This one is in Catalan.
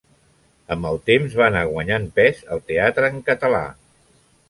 Amb el temps, va anar guanyant pes el teatre en català.